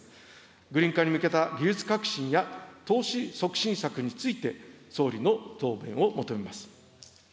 グリーン化に向けた技術革新や投資促進策について、総理の答弁を求めます。